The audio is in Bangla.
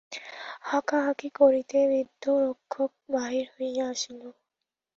হাঁকাহাঁকি করিতে বৃদ্ধ রক্ষক বাহির হইয়া আসিল।